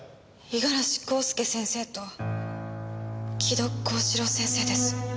五十嵐孝介先生と城戸幸四郎先生です。